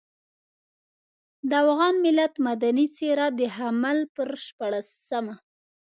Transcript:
د افغان ملت مدني څېره د حمل پر شپاړلسمه.